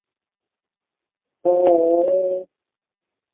塞尔热是瑞士联邦西部法语区的沃州下设的一个镇。